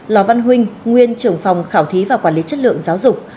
lò văn huynh nguyên trưởng phòng khảo thí và quản lý chất lượng giáo dục